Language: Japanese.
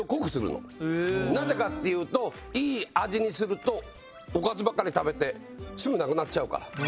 なぜかっていうといい味にするとおかずばっかり食べてすぐなくなっちゃうから。